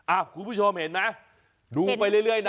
คุณผู้ชมเห็นไหมดูไปเรื่อยนะ